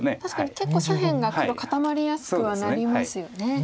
確かに結構左辺が黒固まりやすくはなりますよね。